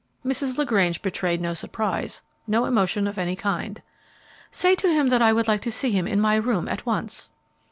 Mrs. LaGrange betrayed no surprise, no emotion of any kind. "Say to him that I would like to see him in my room at once."